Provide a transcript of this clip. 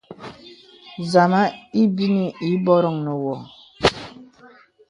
Zama ebínī àbòròŋ nə wô.